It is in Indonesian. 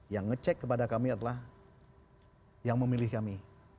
yang ngecek kepada kami adalah yang memilih kami